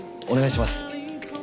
お願いします。